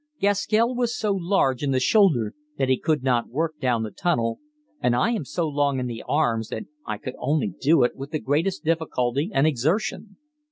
Gaskell was so large in the shoulder that he could not work down the tunnel, and I am so long in the arms that I could only do it with the greatest difficulty and exertion.